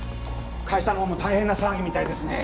会社のほうも大変な騒ぎみたいですね